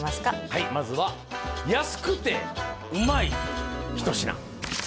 はいまずは安くてうまい一品